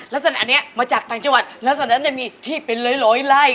ลักษณะอันนี้มาจากต่างจังหวัดแล้วตอนนั้นจะมีที่เป็นร้อยไล่